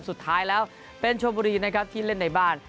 สุดท้ายแล้วเป็นชมบุรีนะครับที่เล่นในบ้าน